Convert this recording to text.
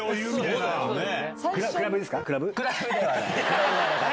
クラブではない。